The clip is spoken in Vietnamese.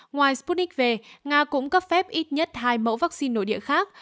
ngoài sputnik về nga cũng cấp phép ít nhất hai mẫu vaccine nội địa khác